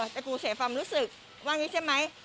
แต่กูเสียความรู้สึกว่าอย่างนี้ใช่ไหม